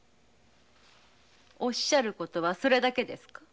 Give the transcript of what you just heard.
おっしゃることはそれだけですか？